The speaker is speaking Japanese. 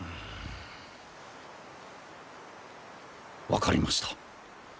分かりました。